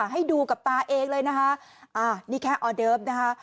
ให้ดูกับตาเองเลยนะคะอ่านี่แค่ออเดิฟนะคะ